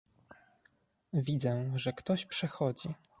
"Widzę, że ktoś przechodzi."